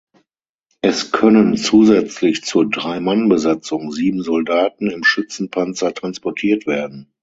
Es können zusätzlich zur Drei-Mann-Besatzung sieben Soldaten im Schützenpanzer transportiert werden.